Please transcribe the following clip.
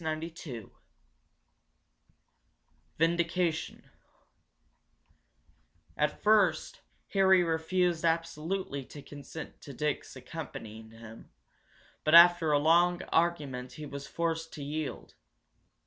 CHAPTER XVIII VINDICATION At first Harry refused absolutely to consent to Dick's accompanying him, but after a long argument he was forced to yield.